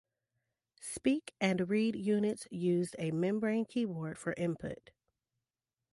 Speak and Read units used a membrane keyboard for input.